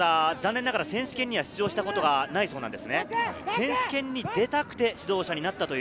残念ながら選手権には出場したことがないそうです。